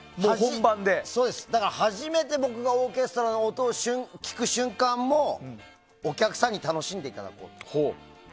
初めて僕がオーケストラの音を聴く瞬間もお客さんに楽しんでいただこうと。